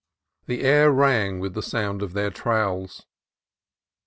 The air rang with the sound of their trowels.